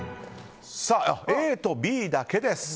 ＡとＢだけです。